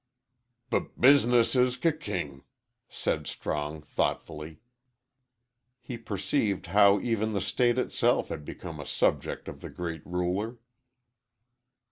"B Business is k king," said Strong, thoughtfully. He perceived how even the State itself had become a subject of the great ruler.